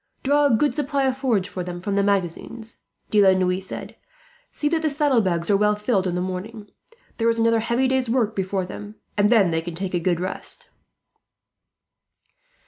"Draw a good supply of forage for them from the magazines," De la Noue said. "See that the saddlebags are well filled in the morning. There is another heavy day's work before them, and then they can take a good rest."